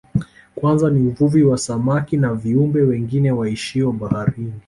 Kwanza ni uvuvi wa samaki na viumbe wengine waishio baharini